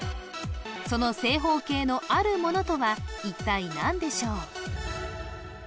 その正方形のあるものとは一体何でしょう